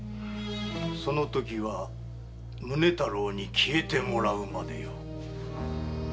そのときは宗太郎に消えてもらうまでよ。